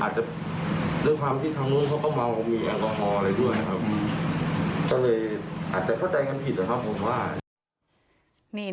อาจจะเข้าใจกันผิด